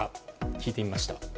聞いてみました。